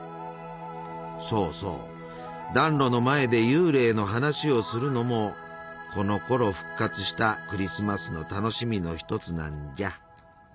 そうそう暖炉の前で幽霊の話をするのもこのころ復活したクリスマスの楽しみの一つなんじゃ。